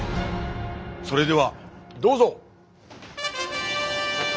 それではどうぞ！